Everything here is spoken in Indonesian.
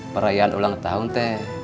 perayaan ulang tahun teh